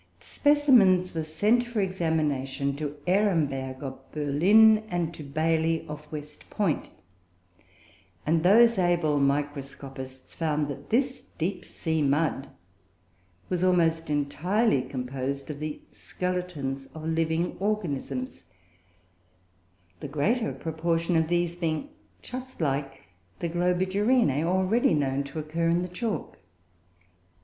The specimens were sent for examination to Ehrenberg of Berlin, and to Bailey of West Point, and those able microscopists found that this deep sea mud was almost entirely composed of the skeletons of living organisms the greater proportion of these being just like the Globigerinoe already known to occur in the chalk.